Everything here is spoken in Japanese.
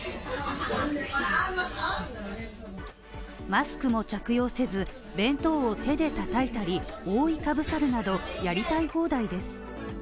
マスクも着用せず、弁当を手でたたいたり、覆いかぶさるなどやりたい放題です。